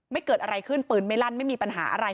ไม่เกิดอะไรขึ้นปืนไม่ลั่นไม่มีปัญหาอะไร